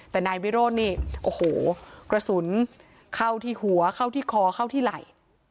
แต่นายวิโรธนี่โอ้โหกระสุนเข้าที่หัวเข้าที่คอเข้าที่ไหล่